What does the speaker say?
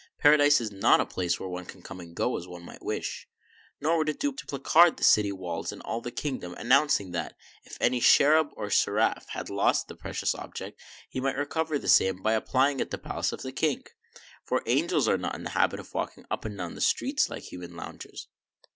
Para dise is not a place where one can come and go as one might wish. Nor would it do to placard the city walls in all the king dom, announcing that, if any cherub or seraph had lost a precious object, he might recover the same by applying at the palace of the King ; for angels are not in the habit of walking up and down streets, like human loungers.